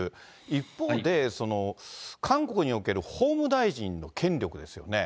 一方で、韓国における法務大臣の権力ですよね。